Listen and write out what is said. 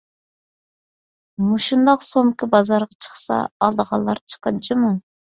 مۇشۇنداق سومكا بازارغا چىقسا ئالىدىغانلار چىقىدۇ جۇمۇ.